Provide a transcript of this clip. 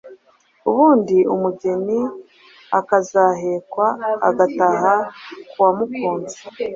Ubundi umugeni akazahekwa agataha k’uwamukunze.